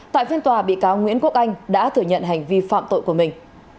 tại phiên tòa bị cáo nguyễn quốc anh đã thừa nhận hành vi phạm tội của mình